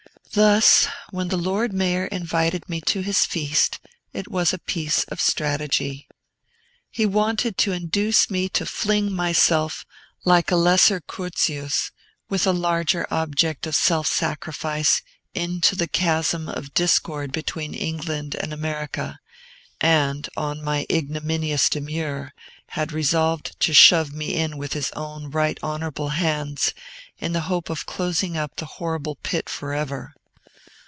Thus, when the Lord Mayor invited me to his feast, it was a piece of strategy. He wanted to induce me to fling myself, like a lesser Curtius, with a larger object of self sacrifice, into the chasm of discord between England and America, and, on my ignominious demur, had resolved to shove me in with his own right honorable hands, in the hope of closing up the horrible pit forever.